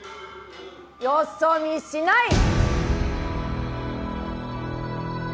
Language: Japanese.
よそ見しない！